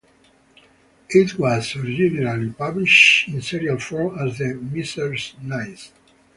It was originally published in serial form as The Miser's Niece.